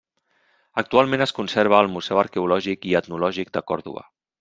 Actualment es conserva al Museu Arqueològic i Etnològic de Còrdova.